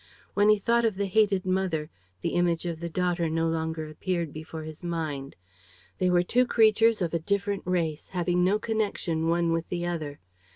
When he thought of the hated mother, the image of the daughter no longer appeared before his mind. They were two creatures of a different race, having no connection one with the other.